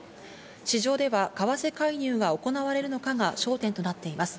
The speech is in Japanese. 市場では為替介入が行われるのかが焦点となっています。